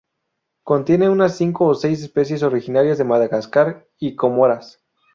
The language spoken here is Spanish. Contiene unas cinco o seis especies originarias de Madagascar y Comoras.